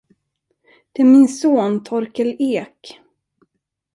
Det är min son, Torkel Ek.